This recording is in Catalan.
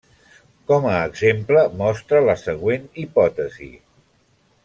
Com a exemple, mostra la següent hipòtesi.